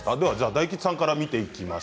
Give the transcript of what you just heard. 大吉さんから見ていきましょう。